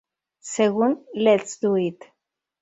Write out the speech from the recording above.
Según Let's Do It!